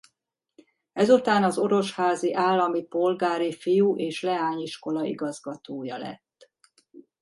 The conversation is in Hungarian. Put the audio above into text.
Ezután az orosházi állami polgári fiú- és leányiskola igazgatója lett.